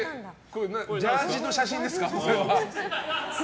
ジャージーの写真ですか。